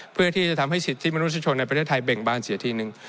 เพื่อที่จะทำให้สิทธิมนุษยชนในประเทศไทยเบ่งบานเสียทีนึง